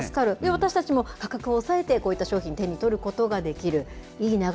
私たちも価格を抑えて、こういった商品、手に取ることができる。